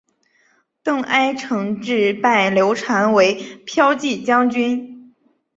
邓艾承制拜刘禅为骠骑将军。